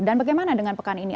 dan bagaimana dengan pekan ini